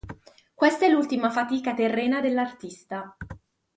Questa è l'ultima fatica terrena dell'artista.